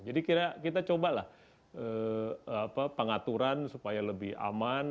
jadi kita cobalah pengaturan supaya lebih aman